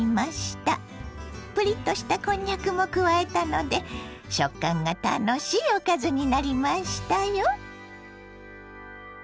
プリッとしたこんにゃくも加えたので食感が楽しいおかずになりましたよ。